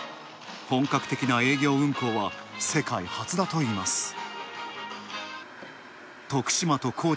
本格的な営業運行は世界初だといいます。